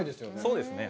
そうですね。